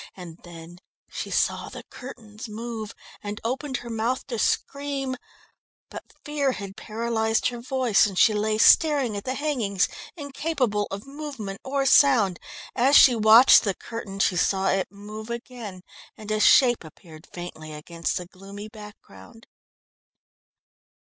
And then she saw the curtains move, and opened her mouth to scream, but fear had paralysed her voice, and she lay staring at the hangings, incapable of movement or sound. As she watched the curtain she saw it move again, and a shape appeared faintly against the gloomy background.